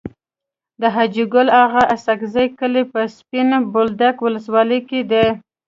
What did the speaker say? د حاجي ګل اغا اسحق زي کلی په سپين بولدک ولسوالی کي دی.